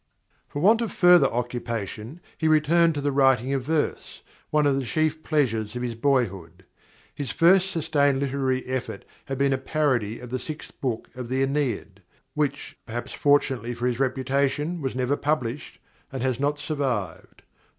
_ _For want of further occupation he returned to the writing of verse, one of the chief pleasures of his boyhood. His first sustained literary effort had been a parody of the sixth book of the "Æneid"; which, perhaps fortunately for his reputation, was never published and has not survived.